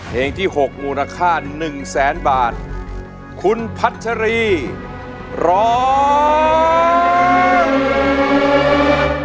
เพลงที่หกมูลค่าหนึ่งแสนบาทคุณพัชรีร้อง